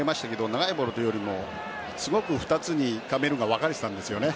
長いボールというよりもすごく２つにカメルーンが分かれていたんですよね。